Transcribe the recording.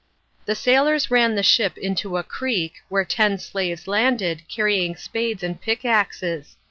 The sailors ran the ship into a creek, where ten slaves landed, carrying spades and pickaxes.